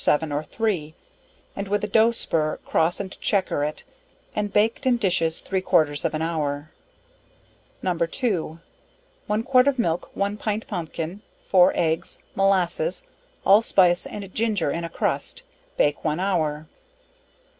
7 or 3, and with a dough spur, cross and chequer it, and baked in dishes three quarters of an hour. No. 2. One quart of milk, 1 pint pompkin, 4 eggs, molasses, allspice and ginger in a crust, bake 1 hour.